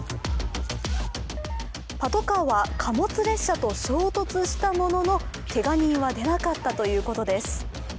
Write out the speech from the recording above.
パトカーは貨物列車と衝突したもののけが人は出なかったということです。